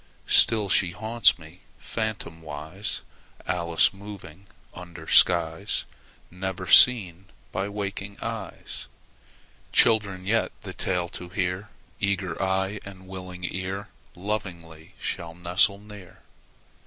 Still she haunts me, phantomwise, Alice moving under skies Never seen by waking eyes. Children yet, the tale to hear, Eager eye and willing ear, Lovingly shall nestle near.